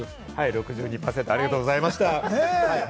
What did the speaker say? ６２％、ありがとうございました。